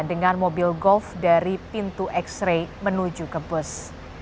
dengan mobil golf dari pintu x ray menuju ke bus